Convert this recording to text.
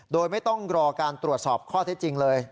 โดยไม่ต้องรอการตรวจสอบข้อเท็จจริงเลย